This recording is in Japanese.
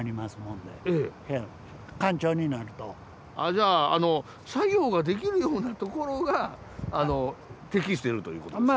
じゃあ作業ができるような所が適しているという事ですか？